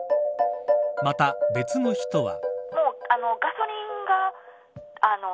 また別の人は。